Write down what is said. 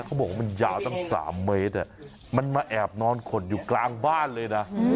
เขาบอกว่ามันยาวตั้ง๓เมตรมันมาแอบนอนขดอยู่กลางบ้านเลยนะ